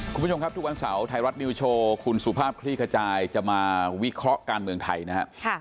คุณผู้ชมครับทุกวันเสาร์ไทยรัฐนิวโชว์คุณสุภาพคลี่ขจายจะมาวิเคราะห์การเมืองไทยนะครับ